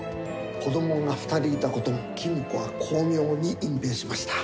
子どもが２人いたことも公子は巧妙に隠蔽しました。